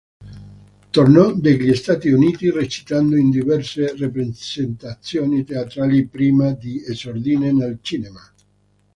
Tornò negli Stati Uniti recitando in diverse rappresentazioni teatrali prima di esordire nel cinema.